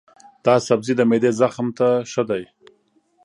دا سبزی د معدې زخم ته ښه دی.